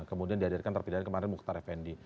kemudian dihadirkan terpidana kemarin muktar efendi